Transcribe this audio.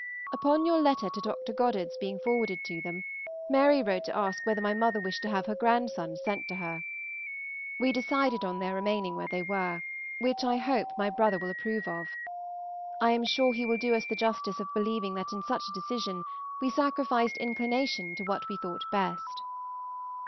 Upon your letter to Dr. Goddard's being forwarded to them, Mary wrote to ask whether my mother wished to have her grandsons sent to her. We decided on their remaining where they were, which I hope my brother will approve of. I am sure he will do us the justice of believing that in such a decision we sacrificed inclination to what we thought best.